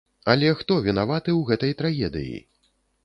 Але хто вінаваты ў гэтай трагедыі?